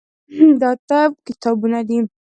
دا اته کتابونه دي.